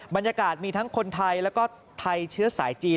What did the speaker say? บรรยากาศมีทั้งคนไทยแล้วก็ไทยเชื้อสายจีน